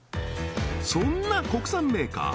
そんな国産メーカー